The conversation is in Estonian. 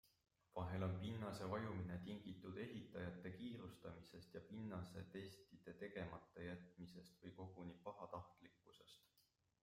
Vahel on pinnase vajumine tingitud ehitajate kiirustamisest ja pinnasetestide tegemata jätmisest või koguni pahatahtlikkusest.